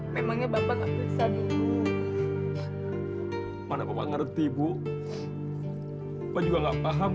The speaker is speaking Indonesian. memangnya bapak nggak bisa ibu mana panggung ngerti bu juga nggak paham